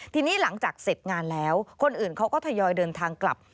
ทีนี้หลังจากเสร็จงานแล้วคนอื่นเขาก็ทยอยเดินทางกลับ